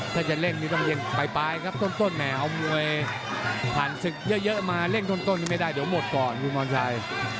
ถ้าจะเล่นมีต้องเล่นไปครับต้นเนี่ยเอามวยผ่านศึกเยอะมาเล่นต้นไม่ได้เดี๋ยวหมดก่อนคุณมอนไซค์